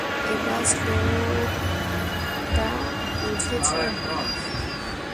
এবার শ্লোকটা বুঝেছো?